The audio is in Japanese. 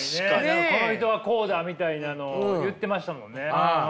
この人はこうだみたいなのを言ってましたもんね。